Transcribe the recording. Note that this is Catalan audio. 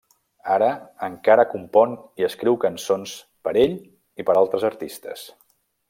Ara encara compon i escriu cançons per ell i per altres artistes.